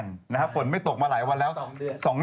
สนุนโดยดีที่สุดคือการให้ไม่สิ้นสุด